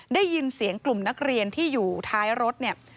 ได้ยินเสียงกลุ่มนักเรียนที่อยู่ท้ายรถเนี่ย